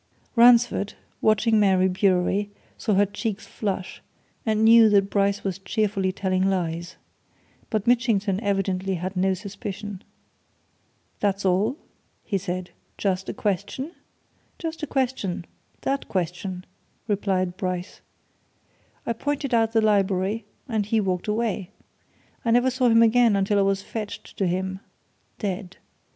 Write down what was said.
Ransford, watching Mary Bewery, saw her cheeks flush, and knew that Bryce was cheerfully telling lies. But Mitchington evidently had no suspicion. "That all?" he asked. "Just a question?" "Just a question that question," replied Bryce. "I pointed out the Library and he walked away. I never saw him again until I was fetched to him dead.